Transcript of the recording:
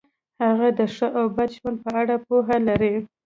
هغه د ښه او بد ژوند په اړه پوهه لري.